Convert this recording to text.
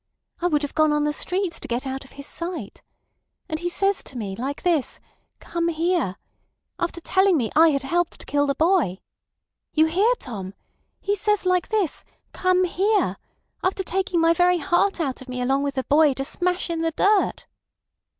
I would have gone on the streets to get out of his sight. And he says to me like this: 'Come here,' after telling me I had helped to kill the boy. You hear, Tom? He says like this: 'Come here,' after taking my very heart out of me along with the boy to smash in the dirt."